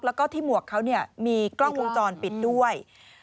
แล้วก็ที่หมวกเขามีกล้องวงจรปิดด้วย